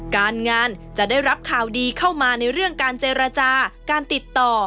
การงานจะได้รับข่าวดีเข้ามาในเรื่องการเจรจาการติดต่อ